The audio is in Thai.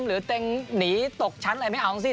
เต็งหนีตกชั้นอะไรไม่เอาสิ